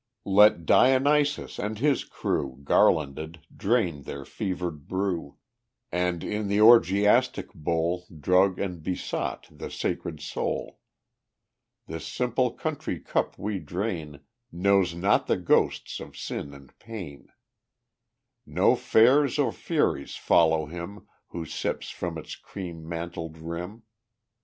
Let Dionysus and his crew, Garlanded, drain their fevered brew, And in the orgiastic bowl Drug and besot the sacred soul; This simple country cup we drain Knows not the ghosts of sin and pain, No fates or furies follow him Who sips from its cream mantled rim.